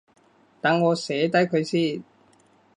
等我寫低佢先